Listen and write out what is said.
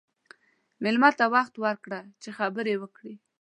مېلمه ته وخت ورکړه چې خبرې وکړي.